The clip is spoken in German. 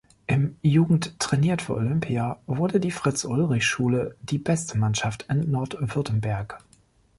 Im „Jugend trainiert für Olympia“ wurde die Fritz-Ulrich-Schule die beste Mannschaft in Nord-Württemberg.